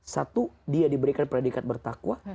satu dia diberikan predikat bertakwa